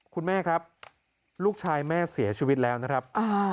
คุณแม่ครับลูกชายแม่เสียชีวิตแล้วนะครับ